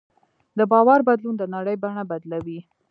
د باور بدلون د نړۍ بڼه بدلوي.